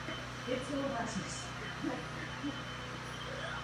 Oceňujeme snahu zlepšit práva spotřebitelů na vnitřním trhu.